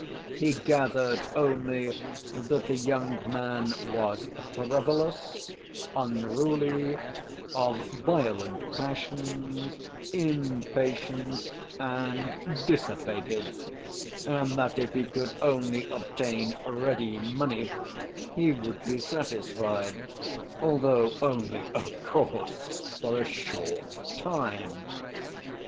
He gathered only that the young man was frivolous, unruly, of violent passions, impatient, and dissipated, and that if he could only obtain ready money he would be satisfied, although only, of course, for a short time.